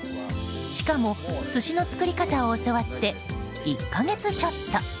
しかも、寿司の作り方を教わって１か月ちょっと。